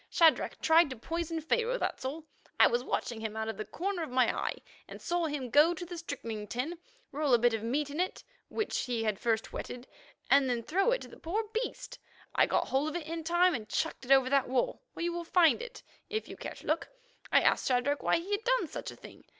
Shadrach tried to poison Pharaoh; that's all. I was watching him out of the corner of my eye, and saw him go to the strychnine tin, roll a bit of meat in it which he had first wetted, and throw it to the poor beast. I got hold of it in time, and chucked it over that wall, where you will find it if you care to look. I asked Shadrach why he had done such a thing.